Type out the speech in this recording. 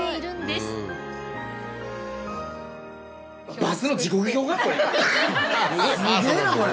すげぇなこれ！